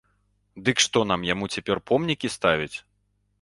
Дык што, нам яму цяпер помнікі ставіць?